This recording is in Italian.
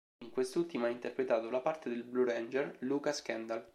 In quest'ultima ha interpretato la parte del blue-ranger Lucas Kendall.